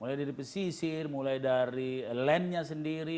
mulai dari pesisir mulai dari land nya sendiri